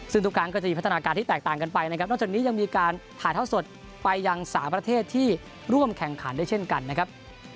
ซึ่งทุกครั้งก็จะมีพัฒนาการที่แตกต่างกันไปนะครับนอกจากนี้ยังมีการถ่ายเท่าสดไปยังสามประเทศที่ร่วมแข่งขันด้วยเช่นกันนะครับ